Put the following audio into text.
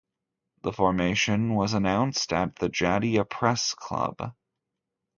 The formation was announced at the Jatiya Press Club.